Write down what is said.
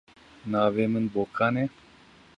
Navê min Bokan e.